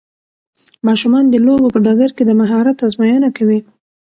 ماشومان د لوبو په ډګر کې د مهارت ازموینه کوي.